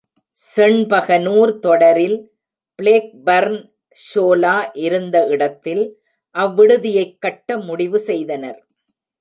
செண்பகனூர் தொடரில், ப்ளேக்பர்ன் ஷோலா இருந்த இடத்தில் அவ் விடுதியைக் கட்ட முடிவு செய்தனர்.